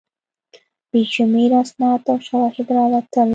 بې شمېره اسناد او شواهد راووتل.